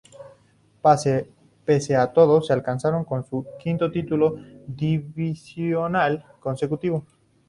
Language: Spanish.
Pese a todo, se alzaron con su quinto título divisional consecutivo.